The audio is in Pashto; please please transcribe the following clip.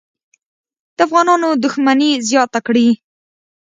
د افغانانو دښمني زیاته کړي.